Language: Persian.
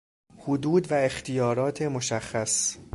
حدود و اختیارات مشخص